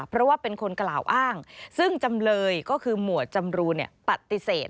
เพราะว่าเป็นคนกล่าวอ้างซึ่งจำเลยก็คือหมวดจำรูปฏิเสธ